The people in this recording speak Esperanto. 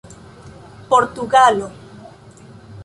portugalo